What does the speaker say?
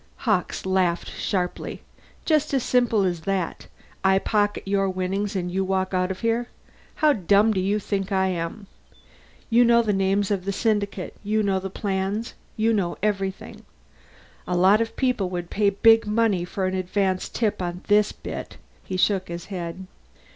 Hawkes laughed sharply. "Just as simple as that? I pocket your winnings and you walk out of here? How dumb do you think I am? You know the names of the syndicate, you know the plans, you know everything. A lot of people would pay big money for an advance tip on this bit." He shook his head.